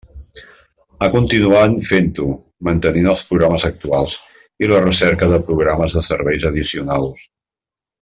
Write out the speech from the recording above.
Ha continuat fent-ho, mantenint els programes actuals, i la recerca de programes de serveis addicionals.